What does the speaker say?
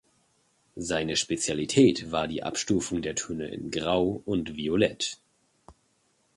Seine Spezialität war die Abstufung der Töne in Grau und Violett.